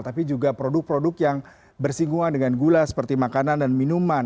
tapi juga produk produk yang bersinggungan dengan gula seperti makanan dan minuman